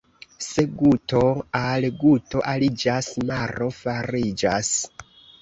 Se guto al guto aliĝas, maro fariĝas.